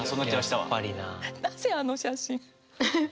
なぜあの写真。